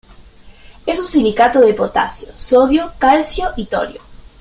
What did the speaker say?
Es un silicato de potasio, sodio, calcio y torio.